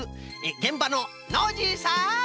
げんばのノージーさん！